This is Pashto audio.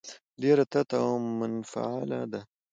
ډېره تته او منفعله ده.